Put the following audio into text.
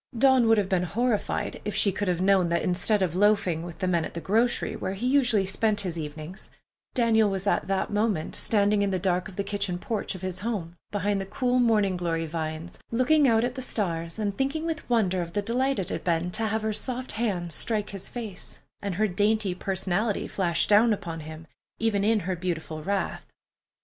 Dawn would have been horrified if she could have known that instead of loafing with the men at the grocery, where he usually spent his evenings, Daniel was at that moment standing in the dark of the kitchen porch of his home, behind the cool morning glory vines, looking out at the stars and thinking with wonder of the delight it had been to have her soft hands strike his face, and her dainty personality flash down upon him, even in her beautiful wrath.